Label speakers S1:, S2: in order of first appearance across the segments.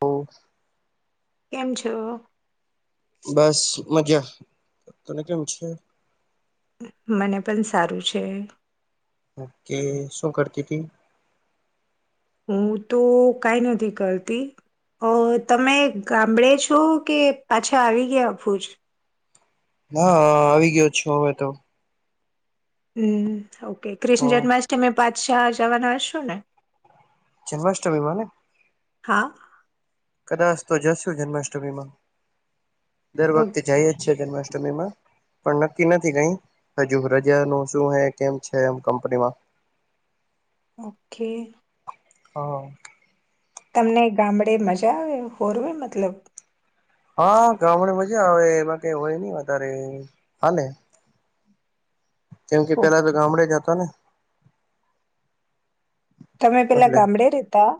S1: હા
S2: કેમ છો
S1: બસ મજા તને કેમ છે
S2: મને પણ સારું છે
S1: ઓકે શું કરતી હતીી
S2: હું તો કઈ નથી કરતી અ તમે ગામડે છો કે પાછા આવી ગયાું જ
S1: હા આવી ગયો છો હવે તો
S2: હમ ઓકે
S1: હ
S2: કૃષ્ણ જન્માષ્ટમી પાચશાહ જવાના હશો ને
S1: જન્માષ્ટમીમાંને
S2: હા
S1: કદાસતો જસુ જન્માષ્ટમીમાં દર વખતે
S2: ઓકે
S1: જાય જ છે, જન્માષ્ટમીમાં પણ નક્કી નથી કઈ હજુ રજા ન શું હે કેમ છે એમ કંપનીમાં [unintelligible] [inaudible]
S2: ઓકે.
S1: હા [inaudible]
S2: તમને ગામડે મજા આવે હોરવે મતલબ
S1: હા ગામડે મજા આવે એમાં કંઈ હોય નહીં વઘારે હાલે. કેમ કે
S2: ઓ
S1: પેલા તો ગામડે જતા ને.
S2: તમે પેલા
S1: એટલે
S2: ગામડે રેતા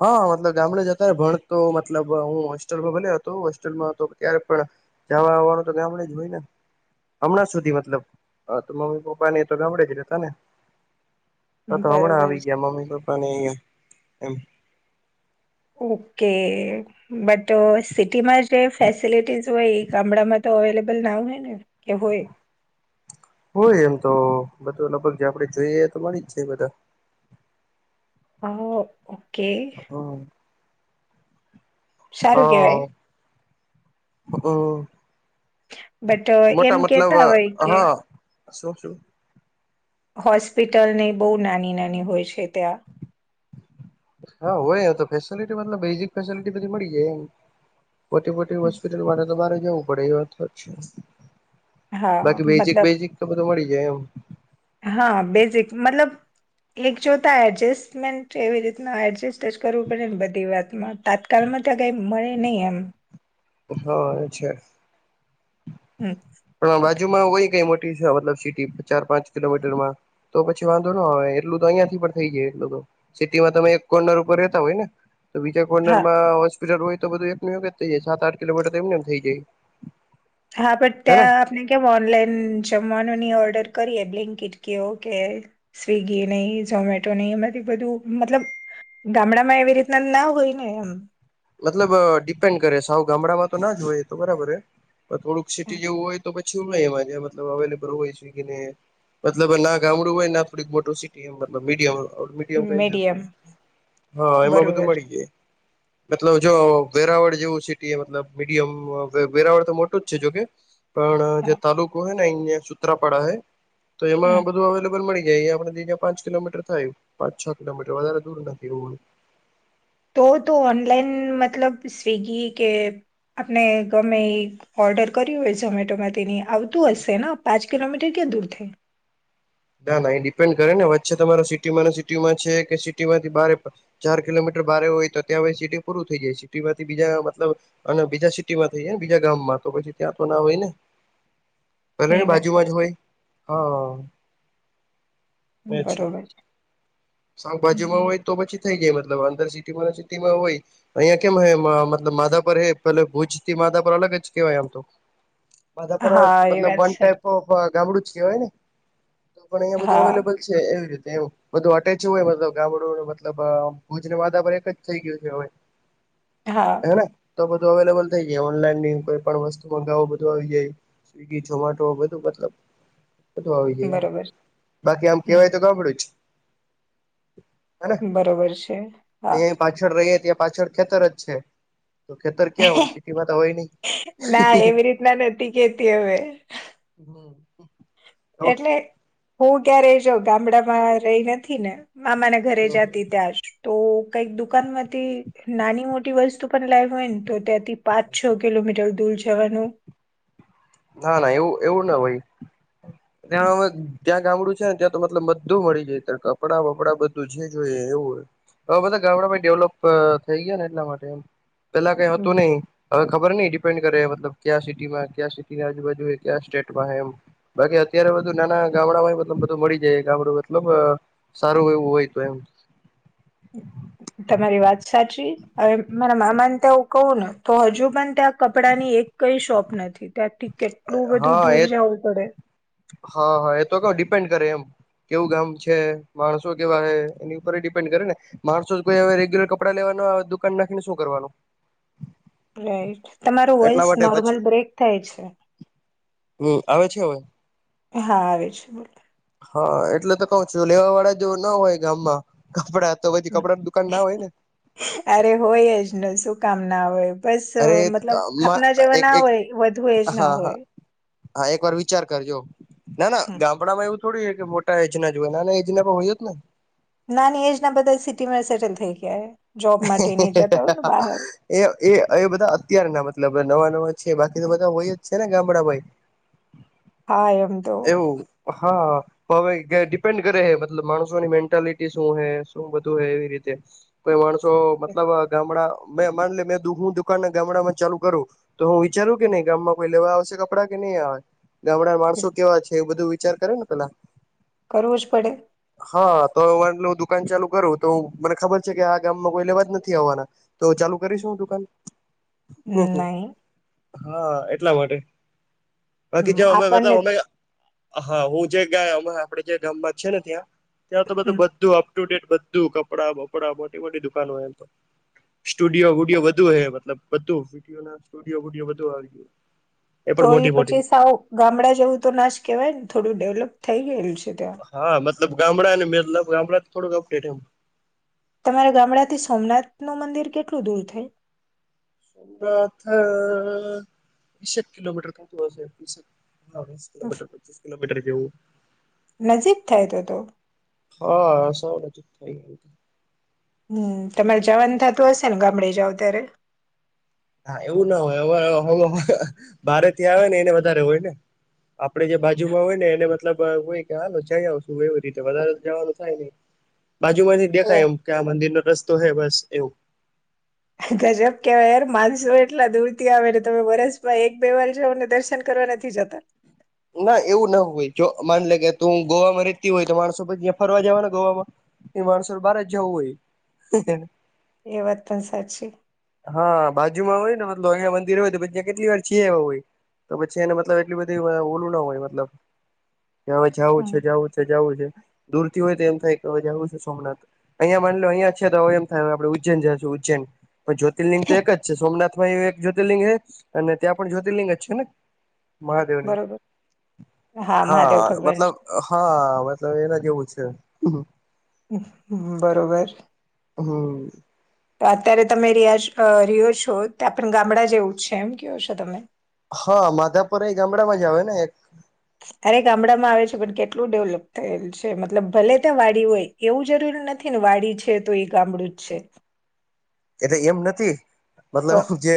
S1: હા મતલબ ગામડે જ ભણતો મતલબ હું હોસ્ટેલમાં ભણ્યો હતો, હોસ્ટેલમાં તો ત્યારે પણ જાવાવાવાનું તો ગામ હોયને [inaudible] હમણાં સુધી મતલબ તો મમ્મી પપ્પા ને તો ગામડે જ રહેતા ને. હા તો
S2: બરોબર
S1: હમણાં
S2: છે.
S1: આવી મમ્મી પપ્પા ને એમ.
S2: ઓકે મેંતો સિટીમાં જે ફેસિલિટીસ હોય ગામડામાં તો અવેલેબલ ના હોય ને કે હોય.
S1: હ [inaudible] હોય એમ તો બધું લગભગ જે આપણેે જોઈએ, તો મળી જ જ બધા
S2: હા [inaudible]
S1: હ [inaudible]
S2: સારું કહેવાય.
S1: હ
S2: બટ એમ
S1: મોટા મતલબ
S2: કેતા હોય કે
S1: હા શું શું [inaudible]
S2: હોસ્પિટલની બહુ નાની નાની હોય છે, ત્યાં
S1: હા હોય તો ફેસલટીતલ બેઝિક ફેસલટી બધી મળી જાય. પોટી મોટી
S2: હમ.
S1: હોસ્પિટલ માટે તો બરે જવું પડે એ વાત જ છે.
S2: હા
S1: બાકી બેઝિક
S2: મતલબ
S1: બેઝિક બધ મળી જાય એમ.
S2: હા બેઝિક મતલબ એક જોતા એડજસ્ટમેન્ટ એવી રીતના એડજસ્ટ. જ કરવું પડે ને બધી વાત માં તાત્કાલમાં તો કઈ મળે નહી એમ.
S1: હા એ છે [inaudible]
S2: એક
S1: પણ
S2: [inaudible]
S1: બાજુમાં હોય કઈ મોટી મતલ સિટી ચાર પાંચ કિલોમીટરમાં તો પછી વાંધો ના આવે એટલું તો અહિયાં થી પણ થઈ જાય એટલું તો સિટીમાં તમે એક કોર્નર ઉપર રતા હોય ને તો બીજા કોનૅર
S2: હા
S1: માં હોસ્પિટલ હોય તો બધું એક થઈ જાય સાત આઠ કિલોમીટર તો એમ થઈ જાય.
S2: હા બ
S1: હેને
S2: ત્યાં આપને કેમ ઓનલાઈન જમવાનું નની ઓર્ડર કરીએ બ્લિકીટ કેઓકે સ્વીગી નહી ઝોમેટો નહી એમાંથી બધું મતલબ ગામડા માં એવી રીતના ના હોય ને એમ.
S1: મતલબ ડિપેન્ડ કરે સાવ ગામડામાં તો ના જ હોય તો બરાબર હે પણ થોડુંક સિટી જેવું હોય તો પછી શું નમાં મતલબ અવેલેબલ હોય સ્વિગી ને મતલબ ના ગામડું હોય થોડીક મોટું સટીબ મીડયમ હોય.
S2: મીડિયમ
S1: [unintelligible] હા એમાં બધું
S2: બરોબર
S1: મળી જાય. મતલબ જો વેરાવળ જેવું સિટીતલબ મીડિયમ વેરાવળ તો મોટું જ છે જોકે પણ જે
S2: હા
S1: તાલુકો હે ને અહી સુત્રાપાડા હૈ તો
S2: હમ.
S1: એમાં બધું અવેલેબલ મળી. કે અહીયા આપડીયાં પાંચ કિલોમીટર થાયું પાંચ છ કિલોમીટર વધારે દૂર નથી એ
S2: તો તો ઓનલાઈન મતલબ સ્વિગી કે આપણે ગમે ઓર્ડર કર્યું હોય ઝોમેટોમાં તેની આવતું હશે ને પાંચ કિલોમીટર ક્યાં દૂર થઈ.
S1: ના ના એ ડિપેન્ડ કરે ને વચ્ચે તમારો સિટીમાં સિટીમાં છે કે સિટીમાંથી બારે ચાર કિલોમીટર ભારે હોય તો ત્યાં સિટી પૂરું થઈ જાય સિટીમાંથી બીજા મલબ અને બીજા સિટીમાં થઈ જાય બીજા ગામ માં. પછી ત્યાં તો ના હોય ને પેલા
S2: એ
S1: ને
S2: વાત
S1: બાજુમાં જ
S2: કરશે
S1: હોય હા
S2: બરોબર છે
S1: શાકભાજીમાં
S2: હમ.
S1: હોય તો પછી જાય અંદર સટીમાં હોય અહયા કેમ મતલ માધાપ પ ભુજ માધાપર અલગ જ કેવાય આમ તો માધાપર હોય
S2: હા એ વાત
S1: વન ટાઈપ
S2: સાચી
S1: ગામડું કેવાય ને તો પણ અહિયાયા બધું અવેલેબલ
S2: હા
S1: છે એવી રીતે એવ બધું અ મતલબ ગામડું મતલબ ભુજને વાદા પર એક જ થઈ ગયું છે હવે
S2: હા
S1: હેને તો બધું અવેલેબલ થઈ જાય ઓનલાઈન કોઈ પણ વસ્તુ મ ગાવ બધું આવી જાય સ્વિગી મેટો બધું મતલબ બધુ આવી જાય એમ
S2: બરોબર
S1: બાકી આમ કેવાય તો
S2: હમ
S1: ગભડું જ હને
S2: બરોબર છે હા
S1: અહી પાછળ રહીય ત્યાં પાછળ ખેતર જ છે તો ખેતર ક્યાં હોય સિટીમાં તો હોય નહી
S2: ના એવી રીતના નથી કેતી હવે
S1: હમ
S2: એટલે હું ક્યારે જો ગામડામાં રહી નથી ને મામાને ઘરે જતી ત્યાં તો કઈક દુકાનમાંથી નાની મોટી વસ્તુ પણ લાવવી હોય ને તો ત્યાંથી પાંચ છ કિલો મીટર દૂર જવાનું
S1: ના ના એવું એવું ના ભાઈ ત ત્યા ગામડું છે ને ત્યાં તો મતલબ બધું મળી જાય ત કપડાં વપડાં બધું જે જોઈએ એવું હોય હવે બધા ગામડા ભાઈ ડેવલોપ થઈ ગયા ને એટલા માટે એમ પેલા કઈ હતું નહિ હવે ખબર નઈ ડિપેન્ડ કરે મતલબ ક્યા સિટીમાં ક સીટી ના આજુ બાજુ ક સ્ટેટમાં એમ બાકી અત્યારે બધું નાના ગામડા માંલ બધું મળી જાય ગામડ મતલબ સારું એવું હોય તો એમ
S2: તમારી વાત સાચી હવે મારા મામાને તો આવું કવું ને તો હજુ પણ ત્યાં કપડા ની એક કઈ શોપ નથી ત્યાં કેટલું બધું
S1: હા
S2: દૂર
S1: એજ
S2: જવું પડે
S1: હા હા એ તો કેવ ડિપેન્ડ કરે એમ કેવું ગામ છે માણસો કેવા એની ઉપર ડિપેન્ડ કરે ને માણસો કોઈ હવે રેગ્યુલર કપડા લેવાના દુકાન નાખીને શું કરવાનું
S2: રાઈટ તમારો વોઇસ
S1: એટલા માટે
S2: નોર્મલ
S1: પછી
S2: બ્રેક થાય છે
S1: હમ આવે છે હવે
S2: હા આવે છે બોલો
S1: હા એટલે તો કઉ છું લેવા વાળા જો ના હોય ગામમાં કપડા તો પછી કપડાની દુકાન ના હોય ને
S2: અરે હોયજને શું કામ ના આવેય બસ
S1: અરે
S2: મતલબ આપના જેવા
S1: એક
S2: ના
S1: એક
S2: હોય વધુ એજ ના
S1: હા હા
S2: હોય
S1: હા એક વાર વિચાર કરજો ના ના
S2: હમ.
S1: ગામડામાં એવું થોડી કે મોટા એજ ના જોયે નાના એજના પણ હોય જ ને
S2: નાની એજ ના બધા સિટીમાં સેટલ થઈ ગયા હોય. જોબ માટે નહી જતા ને બહાર
S1: એ એ એ બધા અત્યારના મતલબ નવા નવા છે બાકી તો બધા હોય જ છે ને ગામડા ભાઈ
S2: હા એમ તો
S1: એવું હા. તો હવે ડિપેન્ડ કરે છે મતલબ માણસોની મેન્ટાલિટી શું હે શું બધું હે એવી રીતે કોઈ માણસો તો મતલબ ગામડા મેં માન લે મે દૂધ ની દુકાન ગામડામાં ચાલુ કરું તો તો હું વિચારું કે નય ગામમાં કોઈ લેવા આવશે કપડા કે નય આવે. ગામ ના માણસો કેવા છે એ બધું વિચાર કરે ને પેલા
S2: કરવું જ પડે.
S1: હા તો વાન દુકાન ચાલુ કરું તો મને ખબર છે કે આ ગામમાં કોઈ લેવા જ નથી આવવાના. તો ચાલુ કરીશું દુકાન. હમમ હમમ
S2: નહી
S1: હા એટલા માટે બાકી જે અમે [unintelligible]
S2: આપણને
S1: અમે હા હું જે ગયા આપડે જે ગામમાં છે ને ત્યાં ત્યાં તો બધું
S2: હમ.
S1: બધું આપ અપ ટુ ડેટ બધું કપડાં બપડા મોટી મોટી દુકાનો એમ તો સ્ટુડિયો વુડિયો બધુ હોય મતલબ બધું વિડીયો સુડયો વુડયો બધું આવી ગયુ.
S2: તો એ પછી સાવ ગામડા જેવું તો ના જ કેવાય ને થોડું ડેવલપ થઈ ગયેલું છે. ત્યાં
S1: હા મતલબ ગામડા ને મતલબ ગામડા થોડુંક [unintelligible] એમ
S2: તમારા ગામડાથી સોમનાથનું મંદિર કેટલું દૂર થાય?
S1: સોમનાથ અ ત્રીસેક કિલોમીટર થાતું હશે ત્રીસેક હા વીસ કિલોમીટર, પચીસ કિલોમીટર જેવું
S2: નજીક થાય તો તો
S1: હા સાવ નજીક થાય એમ તો
S2: હમમ તમારે જાવાનું થાતું હશે ને ગામડે જાવ ત્યારે
S1: હા એવું ના હોય હવે મારે ત્યાં આવે ને એને વધારે હોય ને આપડે જે બાજુમાં હોય ને એને મતલબ હોય કે હાલ જઈ આવશું એવી રીતે વધારે જવાનું થાય નય. બાજુમાંથી
S2: ઓહ
S1: દેખાય એમ કે આ મંદિરનો રસ્તો હે બસ એવું
S2: ગજબ કેવાય યાર માણસો એટલા દૂર થી આવે તમે વરસ માં એક બે વાર જાવ ને દર્શન કરો. નથી જતા.
S1: ના એવું ના હોય જો માન લે કે તું ગોવા માં રેતી હોય તો માણસો પછી તા ફરવા જવાના ગોવામાં એ માણસો ને બાર જ જવું હોય.
S2: એ વાત પણ સાચી
S1: હા બાજુ માં હોય ને મતલબ અહીંયા મંદિર હોય તો જગ્યા કેટલી વાર છી યા હોય. તો પછી એને મતલબ એટલી બધી ઓલું ના હોય મતલબ કે હવે જવું
S2: હમ
S1: છે, જવું છે. જવું છે દૂરથી હોય તો એમ થાય કે હવે જવું છે સોમનાથ અહિયા માન લો અહિયા છે તો હવે એમ થાય આપડે ઉ્જ [unintelligible] છે ઉજ્જૈન. પણ જ્યોતિર્લિંગ તો એક જ છે સોમનાથમાં યે એક જ્યોતિર્લિંગ હે અને ત્યાં પણ જ્યોતિર્લિંગ જ છે ને મહાદેવની
S2: બરોબર મહાદેવ
S1: હા
S2: ભગવાન છે.
S1: મતલબ હા મતલબ એના જેવું છે.
S2: બરોબર.
S1: હમમ
S2: તો અત્યારે તમે રીયા રિયો છો ત્યાં પણ ગામડા જેવું છે એમ કેવો છો તમે.
S1: હા માધાપુરા એ ગામડામાં જ આવે ને એક
S2: અરે ગામડામાં આવે છે પણ કેટલું ડેવલપ થયેલ છે મતલબ ભલે ત્યાં વાડી હોય એવું જરૂરી નથી ને વાડી છે તો ઈ ગામડું જ છે.
S1: એટલે એમ નથી
S2: તો
S1: મતલબ કે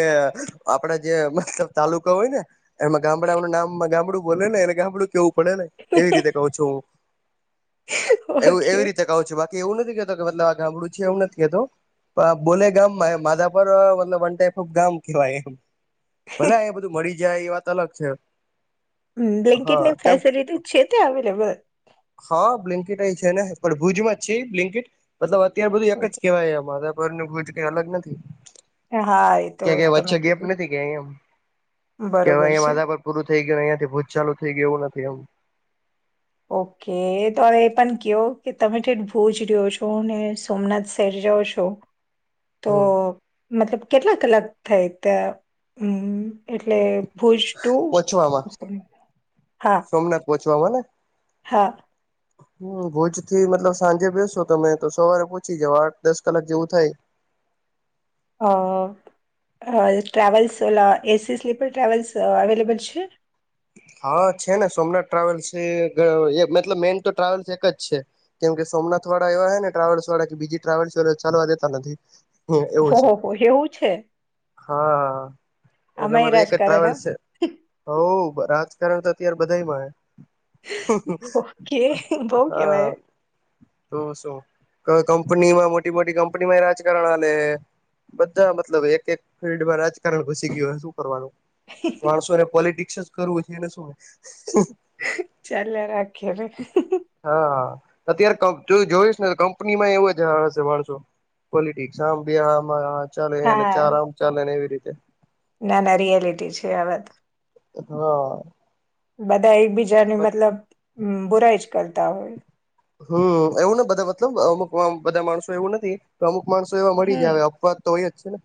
S1: આપડે જે મતલબ તાલુકા હોય ને એમાં ગામડાઓ નું નામમાં ગામડું બોલે ને એને ગામડું કેવું પડે ને એવી રીતે કવ છું હું એવું
S2: ઓકે
S1: એવી રીતે કઉ છું બા બાકી એવું નથી કેતો કે મતલબ આ ગામડું છે એવું નથી કેતો બોલે ગામ માં માધાપર મતલબ વન ટાઈપ ઓફ ગામ કેવાય એમ ભલે અયા બધું મળી [inaudible] એ વાત અલગ છે હા
S2: બ્લેન્કેટની
S1: તેમ
S2: ફેસિલિટી છે તે અવેલેબલ?
S1: હા, બ્લિનકીટ છે ને પણ ભુજમાં જ છે બ્લિનકીટ મતલબ ત્યાં બધું એક
S2: ઓકે
S1: જ કહેવાય મારા પરર નું ભુજ કઈ અલગ નથી.
S2: હા એ તો
S1: કે ક
S2: તમે
S1: વચ્ચે ગેપ
S2: કીધું
S1: નથી કે એમ, કે હ
S2: બરોબર
S1: અહીયાયા
S2: છે.
S1: માધા પર પૂર થ ગયું અહિયાયા થી ભૂજ ચાલુ થઈ ગય એવું નથી, એમ
S2: ઓકે તો હવે એ પણ કયો કે તમે ઠેઠ ભુજ રહ્યો છો ને સોમનાથ શહેર છો તો
S1: હમ
S2: મતલબ કેટલા કલાક થાય? ત્યાં એટલે ભુષ
S1: પોચવામાં
S2: હા
S1: જોવોને
S2: હા
S1: ભુજ થી મતલબ સાંજે બેસો તમે તો સવારે પહચી જાવ આઠ દસ કલાક જેવું થાય. [unintelligible]
S2: હા ટ્રાવવલ્સ વાલા એસી સ્લીપર ટ્રાવવલ્સ અવેલેબલ છે?
S1: હા, છે ને સોમનાથ ટ્રાવેલ્સ મતલબ મેન તો ટ્રાવેલ્સ એક જ છે, કેમ કે સોમનાથ વાળા એવા હ ને ટ્રાવેલ્સ વાળા કે બીજી ટ્રાવેલ્સ વા ચાલવા દેતા નથી. એવું
S2: હોહ
S1: છે
S2: હો એવું છે,
S1: હા, એના
S2: આમાંય
S1: માટે તો એક જ
S2: રાજકારણ
S1: ટ્રાવેલ
S2: એમ
S1: છે, બરાબ રાજકારણ તો અત્યારે બધામાં
S2: ઓકે બઉ
S1: હા
S2: કેવાય
S1: તું શું કંપની માં મોટી મોટી કંપનીમાંય રાજકારણ હાલે હે બધા મતલબ એક એક ફિલ્ડમાં રાજકારણ ઘુસી ગયું હો શું કરવાનું? માણસોને પોલિટિકસ જ કરવું છે એને શું?
S2: ચાલ રાખેે.
S1: હા અત્યારે તું જોઈશ ને કંપની માં એવું જ હશે માણસો, પોલિટિક્સ આમ બેમાં ચાલેને
S2: હા
S1: ચાર આમ ચાલે ને એવી રીતે,
S2: ના ના રિયાલિટી છે, આ વા તો
S1: હા
S2: બધા એકબીજાની મતલબ બુરાઈ જ કરતા હોય,
S1: હમ્મ એવું ને બધા મતલબ અમુક બધા માણસો એવું નથી. અમુક માણસો એવા મળી જાય આવે
S2: હમ.
S1: અપવાદ તો હોય જ છે, ને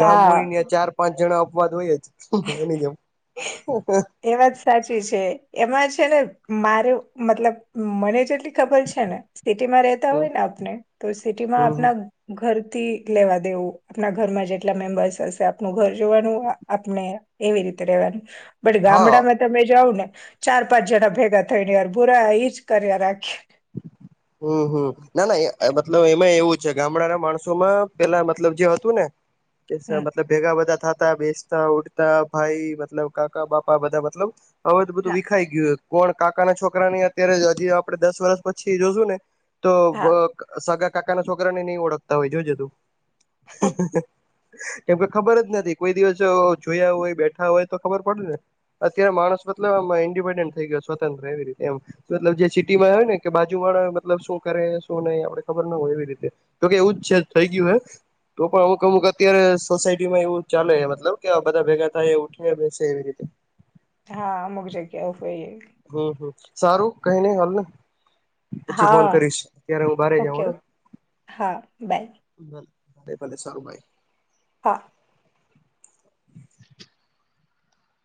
S1: ગામ હોય ને ચાર પાંચ જણા વાદ હોય જ એની જેમ
S2: એ વાત સાચી છે. એમાં છે ને મારે મતલબ મને જેટલી ખબર છે ને, સિટીમાં રહેતા
S1: હમ
S2: હોય ને આપને તો સિટીમાં
S1: હમ
S2: આપના ઘર થી લેવા દેવું આપણા ઘરમાં જેટલા મેમ્બર્સ હશે, આપનું ઘર જોવાનું આપને એવી રીતે રેવાનું બટ
S1: હા
S2: ગામડામાં તમે જાવ ને ચાર પાંચ જણા ભેગા થઈને યાર બુરા જ કર્યા રાખે
S1: હમ્મ હમ્મ ના ના મતલબ એમાં એવું, ગામડાના માણસોમાં પેલા મતલબ જે હતું ને
S2: હમ.
S1: મતલબ ભેગા બધા થ બેસતા ઉડતા ભાઈ મતલબ કાકા બાપા બધા મતલબ હવેધ બધું
S2: હા
S1: વિખાઈ ગયું હતું, કોણ કાકા ના છોકરા ની અત્યારે હજી આપડે દસ વર્ષ પછી જોશું ને, તો
S2: હા
S1: સગા કાકા ના છોકરાને નહી ઓળખતા હોય જોજ તું. કેમકે ખબર જ નથી, કોઈ દિવસ જોયા હોય બેઠા હોય તો ખબર પડે ને અત્યારે માણસ મતલબ આમાં ઇન્ડિપેન્ડન્ટ થઈ, ગયો સ્વતંત્ર એવી રીતે એમ મતલબ જે સિટીમાં હોય ને કે બાજુ વાળા મતલબ શું કરે શું નહી આપડે ખબર ના હોય એવી રીતે જોકે એવું જ છે થઈ ગયું હે તો પણ અમુક અમુક અત્યારે સોસાયટી માં એવું ચાલે મતલબ કે બધા ભેગા થાય એ ઉઠીને બેસે એવી રીતે, [unintelligible]
S2: હા અમુક જગ્યા હોય. એવી.
S1: હમ હમ સારું કઈ નઈ હાલને. પછી ફોન
S2: હા
S1: કરીશ અત્યારે હું બાર
S2: ઓકે ઓકે
S1: જાઉને.
S2: હા બાય
S1: ભલે ભલે સારું ભાઈ.
S2: હા.